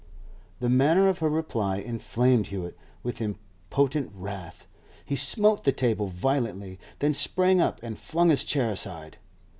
The manner of her reply inflamed Hewett with impotent wrath. He smote the table violently, then sprang up and flung his chair aside.